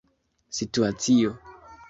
situacio